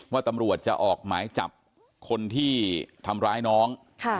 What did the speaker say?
ว่าตำรวจจะออกหมายจับคนที่ทำร้ายน้อง